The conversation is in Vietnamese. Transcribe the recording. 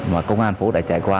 mà công an thành phố đã trải qua